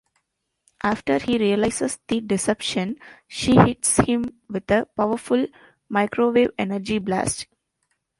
After he realizes the deception, she hits him with a powerful microwave energy blast.